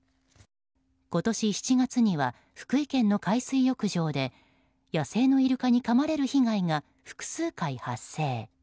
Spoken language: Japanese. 今年７月には福井県の海水浴場で野生のイルカにかまれる被害が複数回、発生。